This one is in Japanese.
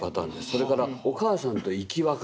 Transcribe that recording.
それからお母さんと生き別れ。